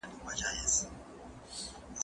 زه له سهاره سفر کوم!؟